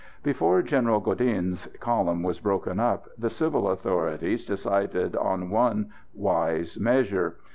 ] Before General Godin's column was broken up, the civil authorities decided on one wise measure.